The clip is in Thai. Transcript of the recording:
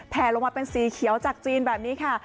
แผลลงมาเป็นสีเขียวจากจีนแบบนี้ค่ะ